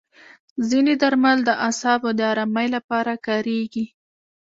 ځینې درمل د اعصابو د ارامۍ لپاره کارېږي.